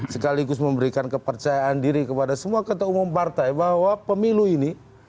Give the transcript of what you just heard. sekaligus memberikan kepercayaan diri kepada semua ketua umum partai bahwa pemilu ini